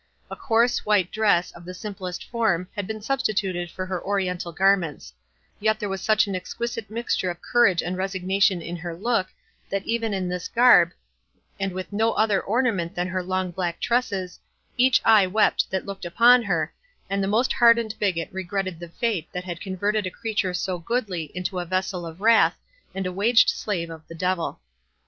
A coarse white dress, of the simplest form, had been substituted for her Oriental garments; yet there was such an exquisite mixture of courage and resignation in her look, that even in this garb, and with no other ornament than her long black tresses, each eye wept that looked upon her, and the most hardened bigot regretted the fate that had converted a creature so goodly into a vessel of wrath, and a waged slave of the devil.